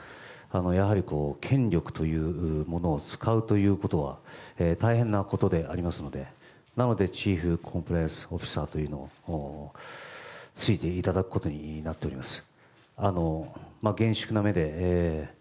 やはり、権力というものを使うということは大変なことでありますのでなので、チーフコンプライアンスオフィサーというものに就いていただくことになっております。